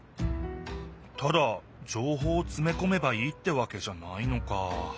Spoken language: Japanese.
ただじょうほうをつめこめばいいってわけじゃないのか。